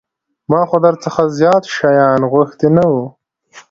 ما خو در څخه زيات شيان غوښتي نه وو.